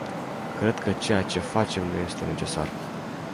Cred că ceea ce facem nu este necesar.